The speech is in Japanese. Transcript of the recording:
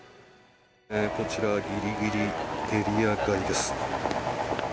こちらギリギリエリア外です。